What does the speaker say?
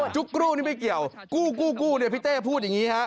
ุ๊กกู้นี่ไม่เกี่ยวกู้กู้เนี่ยพี่เต้พูดอย่างนี้ฮะ